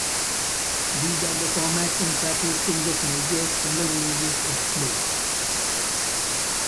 These are the formats and track listings of major single releases of "Slow".